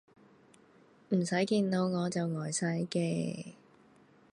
唔使見到我就呆晒嘅